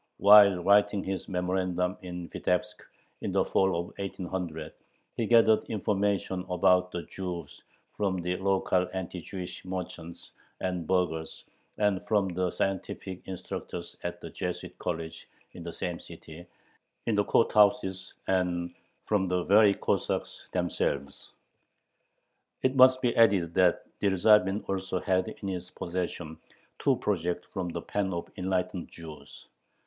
While writing his memorandum in Vitebsk, in the fall of 1800, he gathered information about the Jews from the local anti Jewish merchants and burghers, and from the "scientific" instructors at the Jesuit College in the same city, in the court houses, and from "the very Cossacks themselves." It must be added that Dyerzhavin also had in his possession two projects from the pen of "enlightened Jews."